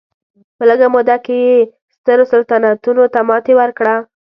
په لږه موده کې یې سترو سلطنتونو ته ماتې ورکړه.